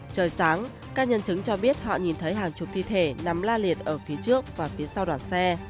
trời sáng các nhân chứng cho biết họ nhìn thấy hàng chục thi thể nằm la liệt ở phía trước và phía sau đoàn xe